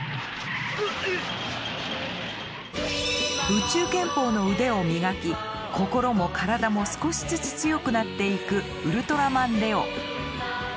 宇宙拳法の腕を磨き心も体も少しずつ強くなっていくウルトラマンレオ。